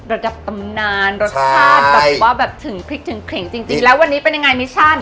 ระดับตำนานรสชาติแบบว่าแบบถึงพริกถึงเข็งจริงแล้ววันนี้เป็นยังไงมิชชั่น